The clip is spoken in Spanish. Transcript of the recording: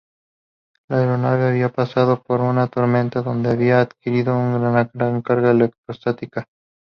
La aeronave había pasado por una tormenta donde había adquirido una gran carga electrostática.